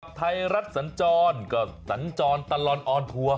กลับไทยรัฐสันจรก็สันจรตรรวรรณออนทัวร์